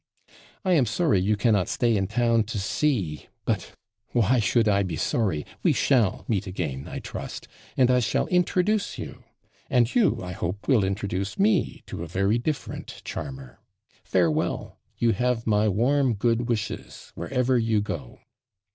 I am sorry you cannot stay in town to see but why should I be sorry we shall meet again, I trust, and I shall introduce you; and you, I hope, will introduce me to a very different charmer. Farewell! you have my warm good wishes wherever you go.'